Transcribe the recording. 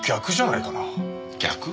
逆？